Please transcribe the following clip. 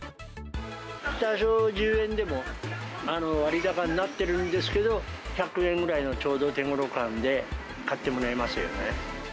多少、１０円でも割高になっているんですけど、１００円ぐらいのちょうど手頃感で買ってもらえますよね。